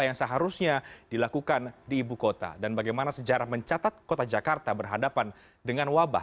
yang seharusnya dilakukan di ibu kota dan bagaimana sejarah mencatat kota jakarta berhadapan dengan wabah